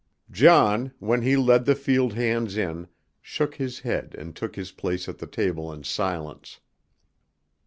John, when he led the field hands in, shook his head and took his place at the table in silence.